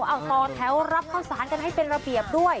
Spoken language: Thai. เอาต่อแถวรับข้าวสารกันให้เป็นระเบียบด้วย